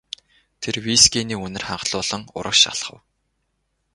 Тэр вискиний үнэр ханхлуулан урагш алхав.